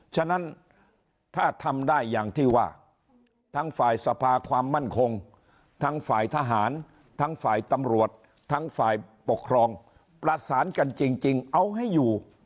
ฉะนั้นถ้าทำได้อย่างที่ว่าทั้งฝ่ายสภาความมั่นคงทั้งฝ่ายทหารทั้งฝ่ายตำรวจทั้งฝ่ายปกครองประสานกันจริงเอาให้อยู่